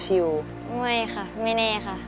คิวไม่ค่ะไม่แน่ค่ะ